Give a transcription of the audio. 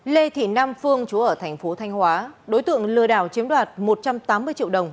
lê thị nam phương chú ở thành phố thanh hóa đối tượng lừa đảo chiếm đoạt một trăm tám mươi triệu đồng